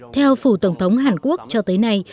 theo phủ tổng thống hàn quốc cho tới nay